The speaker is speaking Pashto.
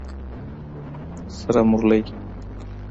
🫜 سره مولي